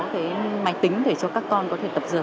cái máy tính để cho các con có thể tập dượ